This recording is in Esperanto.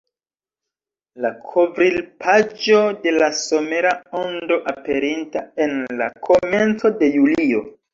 La kovrilpaĝo de la somera Ondo, aperinta en la komenco de julio.